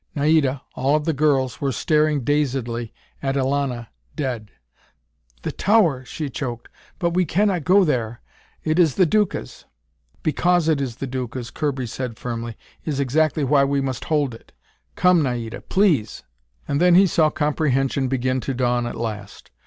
Naida, all of the girls, were staring dazedly at Elana, dead. "The tower!" she choked. "But we cannot go there. It is the Duca's!" "Because it is the Duca's," Kirby said firmly, "is exactly why we must hold it. Come, Naida, please "And then he saw comprehension begin to dawn at last.